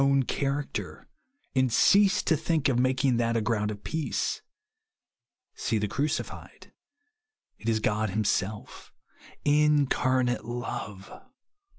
own character, and cease to think of mak ing that a gronnd of peace. See the Crucified. It is God himself; incarnate love.